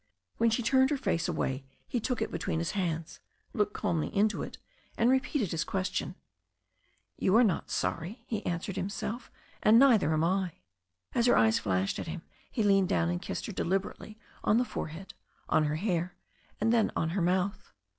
When she turned her face away he took it between his hands, looked calmly into it, and repeated his question. "You are not sorry," he answered himself, "and neither am I." As her eyes flashed at him he leaned down and kissed her deliberately on the forehead, on her hair, and then on her mouth.